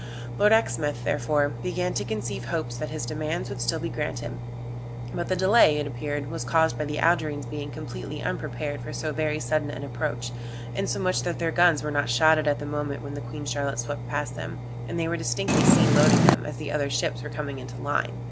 Lord Exmouth, therefore, began to conceive hopes that his demands would still be granted; but the delay, it appeared, was caused by the Algerines being completely unprepared for so very sudden an approach, insomuch that their guns were not shotted at the moment when the Queen Charlotte swept past them, and they were distinctly seen loading them as the other ships were coming into line.